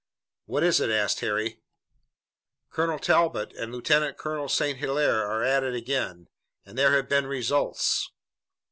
"What is it?" asked Harry. "Colonel Talbot and Lieutenant Colonel St. Hilaire are at it again, and there have been results!"